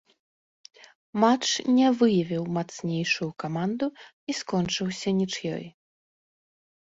Матч не выявіў мацнейшую каманду і скончыўся нічыёй.